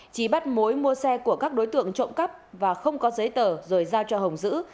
trí bắt mối mua xe của các đối tượng trộm cắp và không có giấy tờ rồi giao cho hồng giữ